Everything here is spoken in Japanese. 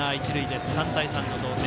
３対３の同点。